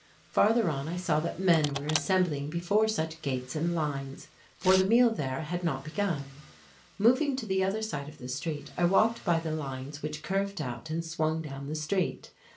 Farther on I saw that men were assembling before such gates in lines, for the meal there had not begun. Moving to the other side of the street I walked by the lines which curved out and swung down the street.